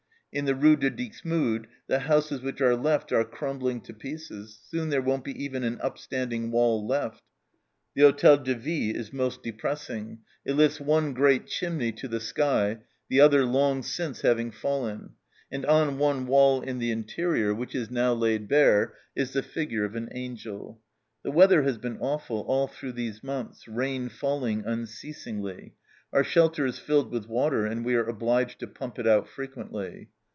In the Rue de Dixmude the houses which are left are crumbling to pieces, soon there won't be even an upstanding wall left. The Hotel de Ville is most depressing, it lifts one great chimney to the sky, the other long since having fallen, and on one wall in the interior, which is now laid bare, is the figure of an angel. The weather has been awful, all through these months, rain falling unceasingly. Our shelter is filled with water, and we are obliged to pump it out fre quently."